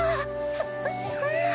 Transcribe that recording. そそんな。